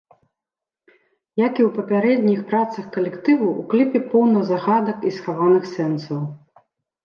Як і ў папярэдніх працах калектыву, у кліпе поўна загадак і схаваных сэнсаў.